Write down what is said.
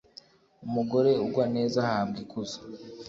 umugore ugwa neza ahabwa ikuzo